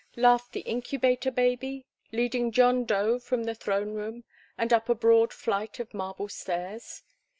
laughed the Incubator Baby, leading John Dough from the throne room and up a broad flight of marble stairs.